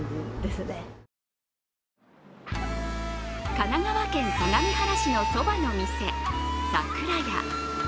神奈川県相模原市の蕎麦の店、櫻屋。